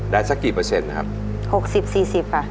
สักกี่เปอร์เซ็นต์นะครับหกสิบสี่สิบอ่ะ